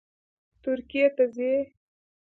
ترکیې ته ځي